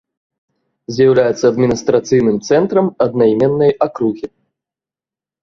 З'яўляецца адміністрацыйным цэнтрам аднайменнай акругі.